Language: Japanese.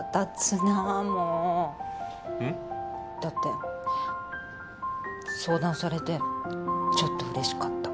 だって相談されてちょっとうれしかった。